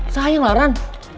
sayang lah ran